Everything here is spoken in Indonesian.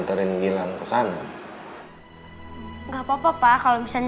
dengan kondisi ku ini